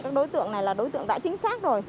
các đối tượng này là đối tượng đã chính xác rồi